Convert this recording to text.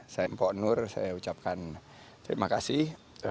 saya mpok nur saya ucapkan terima kasih